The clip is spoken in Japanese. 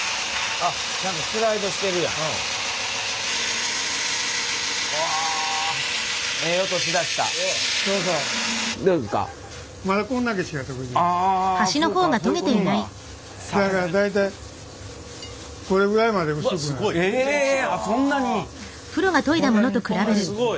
あっすごい。